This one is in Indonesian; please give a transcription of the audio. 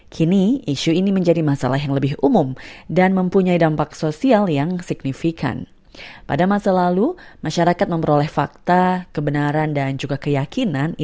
penyebaran informasi yang salah dapat berdampak signifikan pada narasi sosial politik dan juga pribadi